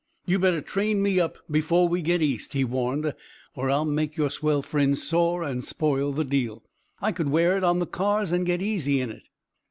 "You better train me up before we get East," he warned, "or I'll make your swell friends sore and spoil the deal. I could wear it on the cars and get easy in it."